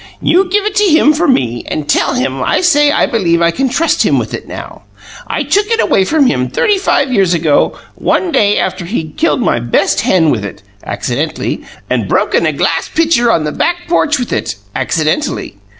You give it to him from me, and tell him I say I believe I can trust him with it now. I took it away from him thirty five years ago, one day after he'd killed my best hen with it, accidentally, and broken a glass pitcher on the back porch with it accidentally.